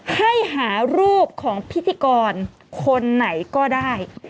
ให้หารูปของพิธีกรคนไหนก็ได้